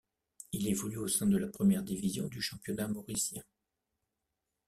Il évolue au sein de la première division du championnat mauricien.